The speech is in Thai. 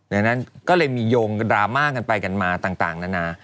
ดังนั้นก็เลยมีโยงดราม่ากันไปกันมาต่างนานา